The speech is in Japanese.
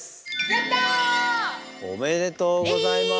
やった！おめでとうございます。